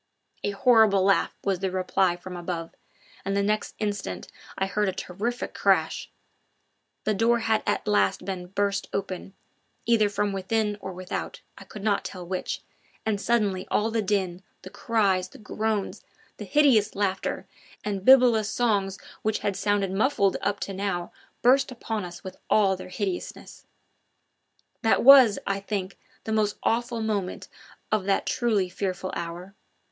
A horrible laugh was the reply from above, and the next instant I heard a terrific crash; the door had at last been burst open, either from within or without, I could not tell which, and suddenly all the din, the cries, the groans, the hideous laughter and bibulous songs which had sounded muffled up to now burst upon us with all their hideousness. That was, I think, the most awful moment of that truly fearful hour.